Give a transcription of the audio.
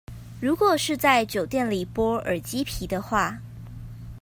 如果是在酒店裡剝耳機皮的話